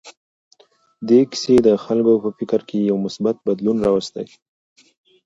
دې کیسې د خلکو په فکر کې یو مثبت بدلون راوستی.